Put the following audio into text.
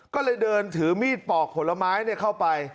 ก็เลยเดินถือมีดปอกผลไม้เข้าไป